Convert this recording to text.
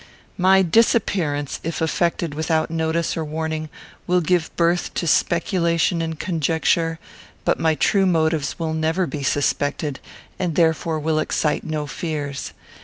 My disappearance, if effected without notice or warning, will give birth to speculation and conjecture; but my true motives will never be suspected, and therefore will excite no fears.